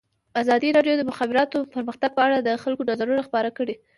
ازادي راډیو د د مخابراتو پرمختګ په اړه د خلکو نظرونه خپاره کړي.